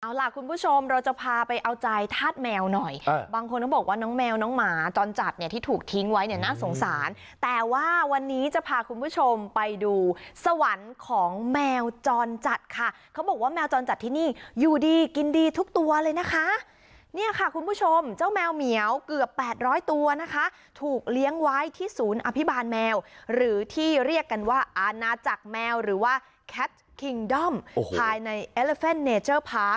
เอาล่ะคุณผู้ชมเราจะพาไปเอาใจธาตุแมวหน่อยบางคนเขาบอกว่าน้องแมวน้องหมาจรจัดเนี่ยที่ถูกทิ้งไว้เนี่ยน่าสงสารแต่ว่าวันนี้จะพาคุณผู้ชมไปดูสวรรค์ของแมวจรจัดค่ะเขาบอกว่าแมวจรจัดที่นี่อยู่ดีกินดีทุกตัวเลยนะคะเนี่ยค่ะคุณผู้ชมเจ้าแมวเหมียวเกือบแปดร้อยตัวนะคะถูกเลี้ยงไว้ที่ศูนย์อภ